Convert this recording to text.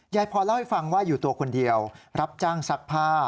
พรเล่าให้ฟังว่าอยู่ตัวคนเดียวรับจ้างซักผ้า